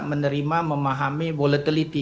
menerima memahami boleh teliti